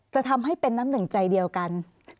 จะทำให้เป็นน้ำหนึ่งใจเดียวกัน